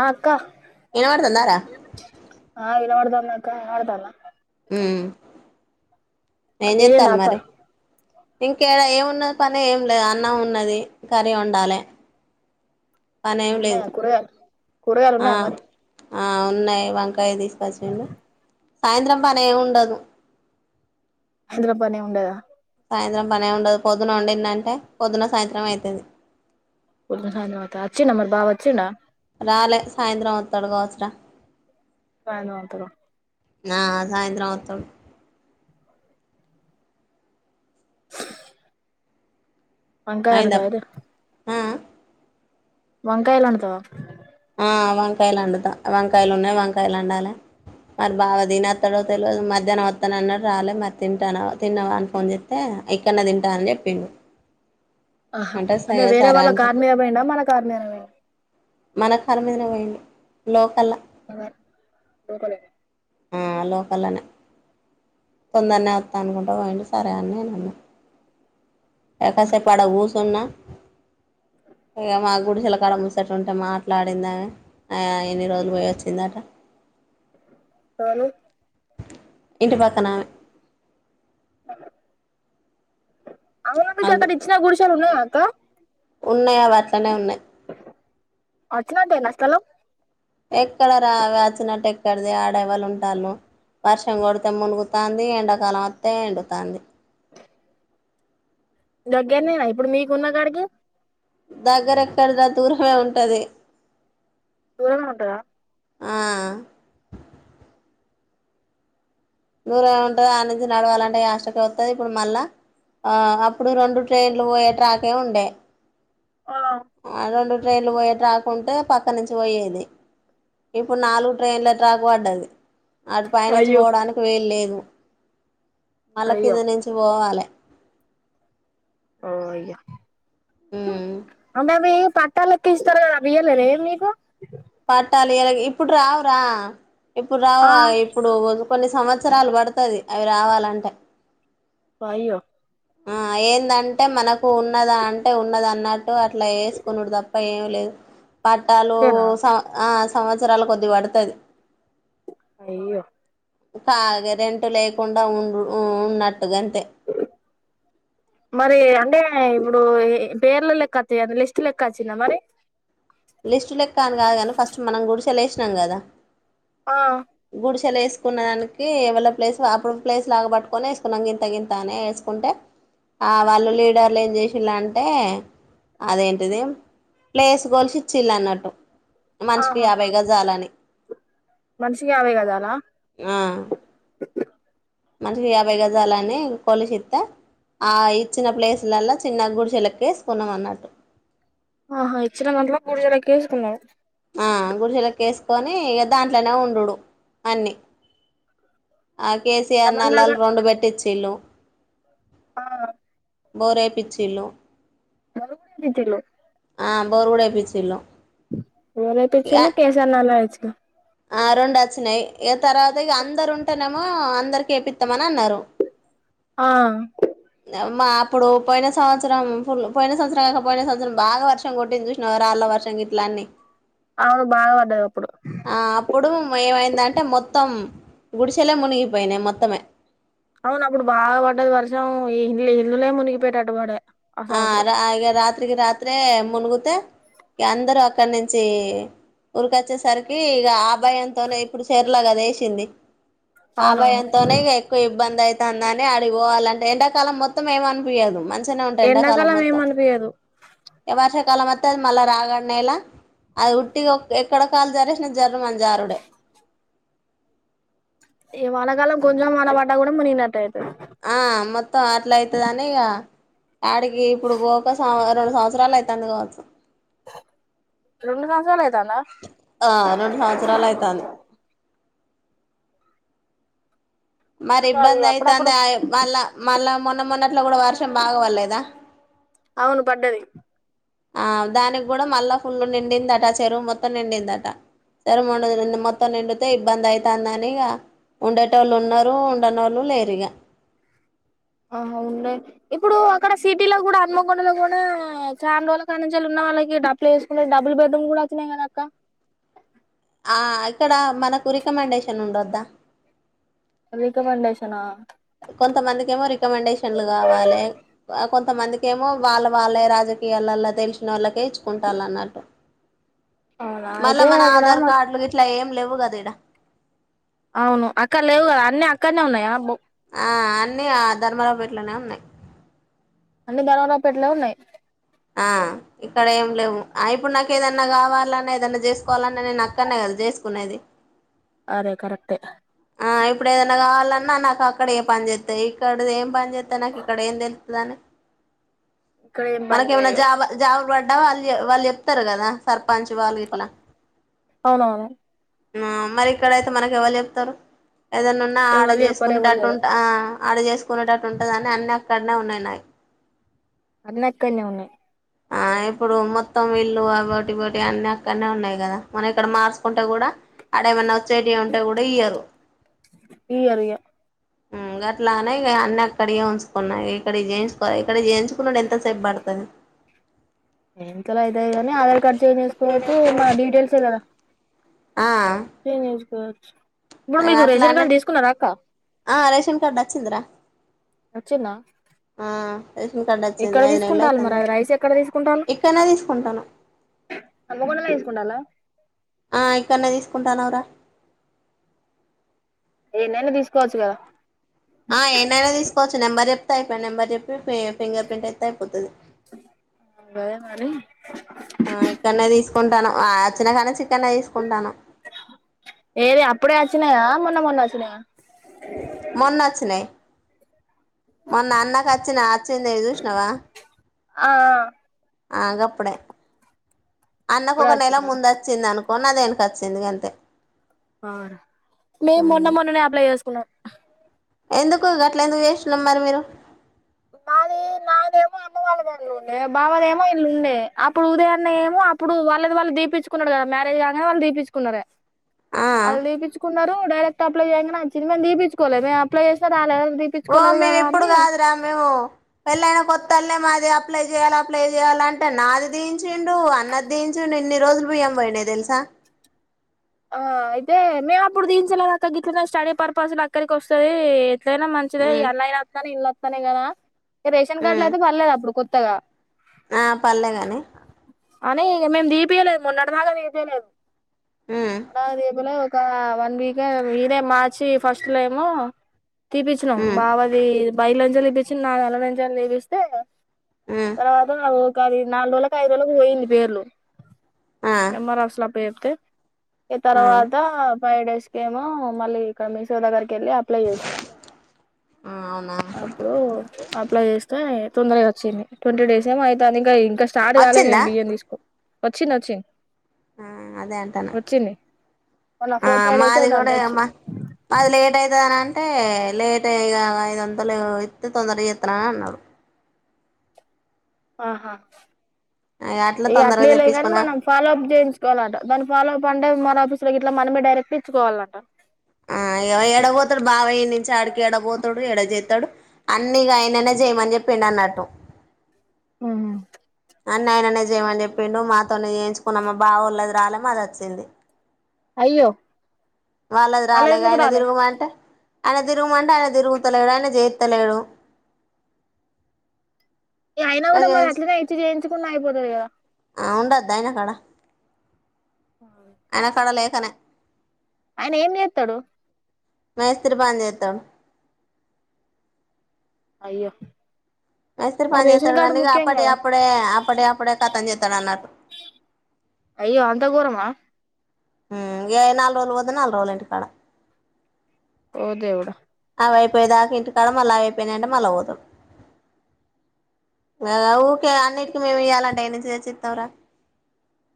ఆ అక్క వినపడుతుందారా ఆ వినపడ్త అక్క అడుతల ఉ ఏం నేనేనా చేస్తాన్లు అక్క మరి ఇంకే ఏం ఉన్నది పని ఏం లేదు అన్నం ఉన్నది కర్రీ వండాలే పని ఏం అండవ లేదు అప్పటివరకు ఆ కూరగాయలున్నాయా మరి ఉన్నాయి వంకాయ తీసుకొచ్చిండు సాయంత్రం పని ఏమి ఉండదు సాయంత్రం పనీ ఏం ఉండదా సాయంత్రం పనే ఉండదు పొద్దున వండింది అంటే పొద్దున్న సాయంత్రం అవుతుంది పొద్దున సాయంత్రం అయితదా అచ్చిడా మరి బవ వచ్చిండా రాలే సాయంత్రం అతడు కావచ్చు రా సాయంత్రం అతడ ఆ సాయంత్రం అత్తడు వంకాయ అయిందా అండుతావా ఇక ఆ ఆ వంకాయలండుతావా ఆ వంకాయలండుత వంకాయలు ఉన్నాయి వంకాయలు వండాల మరి బావ తినస్తాడో తెలియదు మధ్యాహ్నం వస్తాను అన్నాడు రాలేదు మరి తింటాను తిన్నావా అని ఫోన్ చేస్తే ఇక్కన్నే తింటా అని చెప్పిడు ఆహా అంటే వేరే వాళ్ళ చెప్పి కకారు మీద పోయిండా మన కార్ మీద పోయిండా మన కార్ మీదనే పోయిండు లోకల క ఆ లోకలనే తొందరనే వస్తా అనుకుంటా పోయిడి సరే అని నేను అన్నా ఎ కాసేపూ ఆడ కూసున్నా ఇగ మా గుడిసెల కడ కుసునుంటే మాట్లాడింద అమే ఇన్ని రోజులు పోయి వచ్చిందట ఎవరు ఇంటిపాక్కనామె అవునా మీకు అగు అక్కడ ఇచ్చిన గుడిషాలు ఉన్నాయా అక్క ఉన్నాయి అవట్లనే ఉన్నాయి అచినట్టేనా స్థలం ఎక్కడ రా అవి అచ్చినట్టు ఎక్కడిది అక్కడ ఎవరు ఉంటలు వర్షం కొడితే మునుగుతంది ఎండాకాలం వస్తే ఎండుతంది దగ్గరనేనా ఇప్పుడు మీకున్న కాడికి దగ్గరెక్కడదీర దూరమే ఉంటది దూరమే ఉంటదా ఆ దూరమే ఉంటది ఆనించి నడవాలంటే అష్టక వస్తుంది ఇప్పుడు మళ్ళా ఆ అప్పుడు రెండు ట్రైన్లు పోయే ట్రాకే ఉండే ఆ రెండు ట్రైన్లు పోయే ట్రాకుంటే పక్క నుంచి పోయేది ఇప్పుడు నాలుగు ట్రైన్ల ట్రాక్ పడ్డది అటు పైనించి అయ్యో పోవడానికి వేలు లేదు మళ్ళ కింద అయ్యో నుంచి పోవాలి ఓ అయ్యా అే అ పట్టాలకి ఇస్తారు కదా బియలనే మీకు పట్టాలి ఇలాగ ఇప్పుడు రావు రా ఇప్పుడు ఆ రావా ఇప్పుడు కొన్ని సంవత్సరాలు పడుతుంది అవి రావాలంటే వాయ్యో ఆ ఏందంటే మనకు ఉన్నదా అంటే ఉన్నద అన్నట్టు అట్లా వేసుకున్నాడు తప్ప ఏమి లేదు పట్టాలు అంతేనా సం ఆ సంవత్సరాల కొద్ది పడుతది అయ్యో కారెంటు లేకుండా ఉం ఉన్నట్టుగాంతే మరి అంటే ఇప్పుడు పేర్ల లెక్క వచ్చా లిస్ట్ లెక్క వచ్చిందా మరి లిస్టు లెక్క కాని కాదు కానీ ఫస్ట్ మనం గుడిసెలే వసినాం కదా ఆ గుడిసెలు వేసుకున్న దానికి ఏవళ ప్లేస్ అప్పుడు ప్లేస్ లాగా పట్టుకొనే వేసుకున్నాం గింత గింతనే వే కుంటే ఆ వాళ్ళు లీడర్లు ఏం చేసళ అంటే అదేంటిది ప్లేస్ కోలిసి ఇచ్చిళ్ళ అన్నట్టు మనిషికి యాభైగా జాలని మనషికి ఆయావేగ అదాలా మనషి అభైగాజాలాని కోలుషత్తా ఆ ఇచ్చిన ప్లేసులల చిన్న గుడి చిలకిసుకున్నాం అన్నట్టు ఆహా ఇచ్చిన గట్ల పూడిజలేసుకున్నా ఆ గుడి చెెలో కసు కొని దాంట్లోనే ఉండుడు అన్ని ఆ కేసీఆర్ ఎంతమంది దాకా నల్లలు రెండు పెట్టిచ్చ ఇల్ళు ఆ బోర్యి పచ్చిలుు మ కూడాతేలు బొరుగుడయి పపీచ్చిలో వరతే చులో కసా నాలయ రెండు వచ్చినాయి ఏ తర్వాత అందరు ఉంటేనేమో అందరికి ఏపిస్తామని అన్నారు ఆ మా అప్పుడు పోయినవత్సరం పోయిన సంవత్సరం కాకపో పోయిన సంవత్సరం బాగా వర్షం కొట్టింది చూసిన వారు అళ్ళ వర్షం గలన్ని అవును బాగా పడ్డది అప్పుడు ఆ అప్పుడు ఏమైందంటే అంటే మొత్తం గుడిసెలే మునిగిపోయినాయి మొత్తమే అవును అప్పుడు బాగా పడ్డది వర్షం ఈ ఇల్ ఇల్లులే మునిగిపోటేట్టు వాడే ఆ రా రాత్రికి రాత్రే మునుగు అందరు అక్కడ నుంచి ఊరిక వచ్చేసరికి ఇ ఆభాయంతోనే ఇప్పుడు చెర్లాగాద వేసింది అవునవును ఆభాయంతోనే ఎక్కువ ఇబ్బంది అయి అందని అడిపోవాలంటే ఎండాకాలం మొత్తం ఏమ అనిపయించదు మంచిష ఎండాకాలం ఏమనిపయదు వార్షికాల మ మల్ రాగ అడ నలా అది ఉట్టి ఎక్కడ కాళ్లు జరిసినా జర్ర అని జారుడే ఏ వాళకాలం కొంచెం వాళ్లవాట కూడా మునిగనట్టటు అయితే ఆ మొత్తం అట్ల అయితదనిగ ఆడికి ఇప్పుడు ఒక సం రెండు సంవత్సరాలు అవుతుంది కావచ్చు రెండు సంవత్సరాలు అయిదానా ఆ రెండు సంవత్సరాలు అయితాంది మరి ఇబ్బంది అయితుంది మళ్ళా మళ్ళా మ మొన్న మొన్నట్ల కూడా వర్షం బాగ పడలేదా అవును పడ్డది ఆ దానికి కూడా మళ్ళా ఫుల్లు నిండిందట చెరువు మొత్తం నిండిందట చెరువు [unintelligible] మొత్తం నిండితే ఇబ్బందయితాంది అని ఇగ ఉండేటోళ్ళు ఉన్నరు ఉండనోళ్ళు లేరిగా ఆహ ఉన్నయ్ ఇప్పుడు అక్కడ సిటీలో కూడా హన్మకొండలో కూడా చాన్ రోజుల కాడినుంచెలున్న వాళ్ళకి అప్లై చేసుకుంటే డబుల్ బెడ్రూమ్లు కూడా వచ్చినయి కదాక్క ఆ ఇక్కడ మనకు రికమెండేషన్ ఉండొద్దా రిక మండేశనా కొంతమందికేమో రికమెండేషన్లు కావాలే కొంతమందికేమో వాళ్ళ వాళ్ళే రాజకీయ ళ్ళలా తెలిసినోళ్ళకే ఇచ్చుకుంటాళ్ళు అన్నట్టు అవునా మళ్ళా అయితే మన అక్కడ ఆధార్ కార్డులు గిట్లా ఏం లేవు కద ఈడ అవును అక్కడ లేవు కదా అన్నీ అక్కడనే ఉన్నాయా ఆ అన్ని ఆ ధర్మరావుపేటలోనే ఉన్నయి అన్నీ ధర్మరావు పెట్లనే ఉన్నాయి ఆ ఇక్కడ ఏం లేవు ఆ ఇప్పుడు నాకు ఏదన్న కావాలన్నా ఏదన్న చేసుకోవాలన్నా నేను అక్కడనే కదా చేసుకునేది అరే కరెక్టే ఆ ఇప్పుడు ఏదైన్నా కావాలన్నా నాకు అక్కడే పని చేస్తయి ఇక్కడది ఏం పని చేస్త తది నాకు ఇక్కడ ఎం తెల్తదని ఇక్కడ ఏం పని మనకేమన్నా చేయవు జాబ్ జాబ్లు ప అడ వాళ్ళు వాళ్ళు చెప్తరు కదా సర్పంచ్ వాళ్ళు గిట్లా అవునవును ఆ మరి ఇక్కడయితే మనకి ఎవలు చెప్తరు ఏదనున్నా ఆడ ఎవళ్ళు చెప్పరు ఎవళ్ళు చేసుకునేట్టు తెలవదు ఉంటా ఆ ఆడ చేసుకునేటట్టు ఉంటదని అన్ని అక్కడనే ఉన్నయి నాయి అన్ని అక్కడనే ఉన్నయి ఆ ఇప్పుడు మొత్తం ఇల్లు ఆవోటి ఇవోటి అన్ని అక్కడనే ఉన్నయి కదా మనం ఇక్కడ మార్చుకుంటే కూడా అడేమన్న వచ్చేటియి ఉంటే కూడా ఇయ్యరు ఇయ్యరు ఇగ [inaudible] అట్లనే ఇగ అన్ని అక్కడియే ఉంచుకున్న ఇక్కడ చేయించుకో ఇక్కడ చేయించుకునుడు ఎంతసేపు పడుతది ఎంతలయితయి గాని ఆధార్ కార్డ్ చేంజ్ చేసుకోవచ్చు నా డీటెయిల్సే కదా ఆ చేంజ్ చేసుకోవచ్చు ఇప్పుడు ఇగ మీకు రేషన్ అట్లానే కార్డు తీసుకున్నరా అక్క ఆ రేషన్ కార్డు వచ్చిందిరా వచ్చిందా ఆ రేషన్ కార్డ్ ఎక్కడ వచ్చింది ఐదు నెలలు తీసుకుంటాలు అవుతుంది మరి కావచ్చు రైస్ ఇక్కడ్నే తీసుకుంటాన్నం హన్మకొండలనే తీసుకుంటాళ్ళ ఆ ఇక్కడ్నే తీసుకుంటాన్నమురా ఏడనైనా తీసుకోవచ్చు కదా ఆ ఏడనైన తీసుకోవచ్చు నెంబర్ చెప్తే అయిపాయే నెంబర్ చెప్పి ఫింగర్ ప్రింట్ ఎత్తే అయిపోతది సరే మరి ఇక్కడనే కుంటాను ఆ వచ్చిన కానీ చికెన్ తీసుకుంటాన్నం ఏది అప్పుడే వచ్చినాయా మొన్న మొన్న ఒచ్చినయా మొన్నొచ్చినయి మొన్న అన్నకొచ్చినయి అ చ్చింది చూస్నవా ఆ ఆ గప్పుడే అన్నకు అప్పుడే ఒక నెల వచ్చిందా ముందొచ్చింది అనుకో మొన్న దీనికి వచ్చింది గంతే ఆ రా మేము మొన్న మొన్ననే అప్లై చేసుకున్నాం ఎందుకు గట్ల ఎందుకు చేశ్నవ్ మరి మీరు నాది నాదేమో అమ్మ బావదేమో ఇల్లు ఉండే అప్పుడు ఉదయాన్నే ఏమో అప్పుడు వాళ్ళది వాళ్ళు దీపించుకున్నాడు. కదా మ్యారే పెళ్లి గంగానే వాళ్ళు దీపించకున్నారా ఆ వాళ్ళు దీపించుకున్నారు. డైరెక్ట్ అప్లై చేయంగానే అచ్చింది. మేము దీపించుకోలే మేము అప్లై చేసినా రాలే ఓ మేము ఇప్పుడు కాదు రా మేము పేళ్ళైనా కొత్తల్నే మాది అప్లై చేయాలి అప్లై చేయాల అంటే నాది తీన్ చ్చిండు అన్న దీయించుడు ఇన్ని రోజులు బియ్యం పోయానాయి తెలుసా ఆ అయితే మేము అప్పుడు దించయలే ద అక్క గిట్లనే స్టడీ పర్పస్ లో అక్కరికి వస్తది. అయినా మంచిదే ఈ ఉమ్ అన్లై నా అత్తనయీ ఎండ్ల అత్తన్నాయి గదా రేషన్ ఉమ్ కార్డ్లకుయితే పర్లేదు అప్పుడు కొత్ త్తగా ఆ పర్లేగాని అని ఇక మేము దీపియ్యలేదు మొన్నటి దాకా దీపియ్యలేదు ఉమ్ [unintelligible] క వన్ వీక్ ఏ ఇదే మార్చి ఫస్ట్ లో ఏమో తీపిచ్చినాం ఉమ్ బావది బయలంచలి తీపిచ్చినాం నాది ఆన్లనుంచి తీపిస్తే ఉమ్ తర్వాత ఒక అది నాలుగు రోజులకో ఐదు రోజులకో పోయింది పేర్లు ఆ ఎమ్ ర్ ఓ ఆఫీసు ల అప్పజెప్తే ఇగ ఆ తర్వాత ఫైవ్ డేస్ కేమో మళ్ళీ ఇక్కడ మీసేవ దగ్గరికి కేళ్ళి అప్లై ఎసినాం ఆ అవునా అప్పుడు అప్లై ఆస్తే తొందరగా వచ్చింది. ట్వంటీ డేస్ ఏమోవుతుంది ఇంకా ఇంకా స్టార్ట్ కాలే వచ్చిందా మేము బియ్యం తీసుకో వచ్చింది వచ్చింద్. ఆ అదేన్ తన్నా మొన్న ఫోర్ ఆ ఫైవ్ డేస్ మాది అయితాంది కూడా వచ్చి అమ్మ మాది లేట్ అయిత్ నన్ అంటే లేట్ ఏ ఐదు వందలు ఇత్తె తొందరగా ఎత్త అన్నారు ఆహా అట్లా ఇగ ఆ తొందరగా అట్లేలే కాని తెప్పించుకున్నా మనం ఫాలో అప్ చేయించుకోవాలట దాని ఫాలో అప్ అంటే ఎమ్ ర్ ఓ ఆఫీస్ లో గిట్లా మనమే డైరేక్ట్ ఇచ్చుకోవాలంట ఆ ఎడ వోతాడు బావ ఇడి నుంచి ఆడికి ఎడ వోతాడు ఎడ చేతడు. అన్నీగాయననే చేయమని చెప్పిండు అన్నట్టు ఉమ్ అన్ని ఆయననే చేయమని చెప్పిండు మాతోనేయించుకున్నామా బావోలాది రాలే మాది వచ్చింది. అయ్యో వాళ్ళది మళ్ళ రాలే ఎందుకు ఆయన తిరుగుమాంటే ఆయన తిరుగుమంటే ఆయన తిరుగుతలడు ఆయన జైత్తలేడు ఇగ అయినా కూడా మరి అట్లనే ఇచ్చి చేయించుకున్నా అయిపోతది గదా ఆ ఉండద్దా అయన కాడ ఆయనకాడ లేఖనే ఆయన ఏం జెత్తడు. మేస్తిరి పని జెత్తడు. అయ్యో మేస్త్రి మరి పని రేషన్ జెత్తడు కార్డు కానీ ఇక ముఖ్యం అప్పటి కదా అప్పుడే అప్పటి అప్పుడే కతం జెత్తడు. అన్నట్టు అయ్యో అంత గోరమా మ్ ఏ నాలుగు రోజులు పోతే నాలుగు రోజులు ఇంటి కాడ ఓ దేవుడా అ అయిపోయే దాకా ఇంటికాడ మళ్ళా అయిపోయినాంటే మళ్ళీ పోతాడు. ఆ ఊకే అన్నిటికిీ మేము ఇయ్యాలంటే ఎన్నుంచి తెచ్చితం రా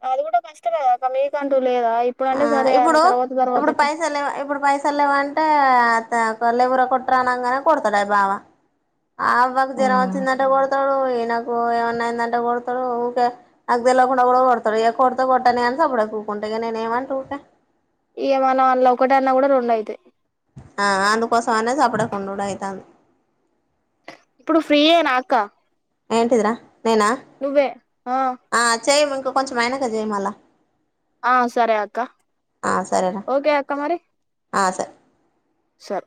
అది కూడా కష్టం ఏ కదా మీక అంటూ లేదా ఆ ఇప్పుడుంటే సరే అని తర్వాత తర్వాత ఎట్లా తెలవంటే తే లేవురా కొట్టురానంగానే కొడతాడు బావ అవ్వ కు జరం అచ్చిదంటే కొడతడు. నాకు ఏమన్నాయిందంటే కొడతాడు. ఊకే నాకు తెలికుండా కూడా కొడతాడు కొడత కొట్టని అని సప్పడే ఉక్ కుంటగానేనే ఏమంటూట ఇగ మనం అన్ల ఒకట అన్నా కూడా రెండు అయితయి ఆ అందుకోసం అనే చపడకుండు అయితది ఇప్పుడు ఫ్రీ యేనా అక్క ఏంటిదరా నేనా ఆ చై మ ఇక కొంచెం అయినాకా చెయ్ మల్ల ఆ సరే అక్క సరేరా ఓకే అక్క మరి ఆ సార్ సార్